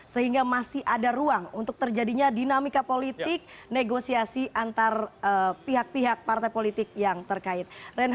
sehingga masih ada ruang untuk terjadinya dinamika politik negosiasi antar pihak pihak partai politik yang terkait